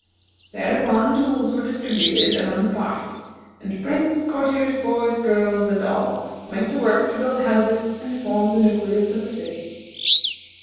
Thereupon tools were distributed among the party, and Prince, courtiers, boys, girls, and all went to work to build houses and form the nucleus of a city.